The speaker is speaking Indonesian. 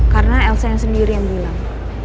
karena elsa yang sendiri yang bilang